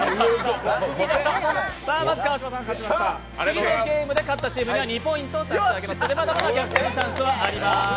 次のゲームで勝ったチームには２ポイント差し上げますのでまだまだ逆転のチャンスはあります。